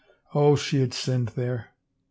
Oh, she had sinned there !